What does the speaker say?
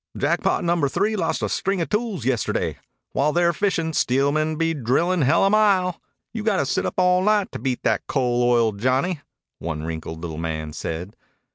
"Jackpot Number Three lost a string o' tools yesterday. While they're fishin', Steelman'll be drillin' hell a mile. You got to sit up all night to beat that Coal Oil Johnny," one wrinkled little man said.